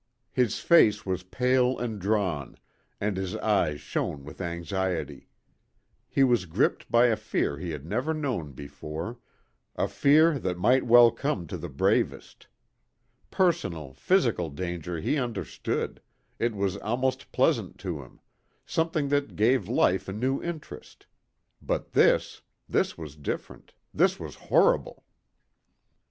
His face was pale and drawn, and his eyes shone with anxiety. He was gripped by a fear he had never known before, a fear that might well come to the bravest. Personal, physical danger he understood, it was almost pleasant to him, something that gave life a new interest. But this this was different, this was horrible.